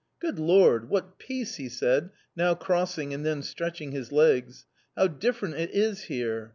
" Good Lord ! what peace !" he said, now crossing and then stretching his legs, " how different it is here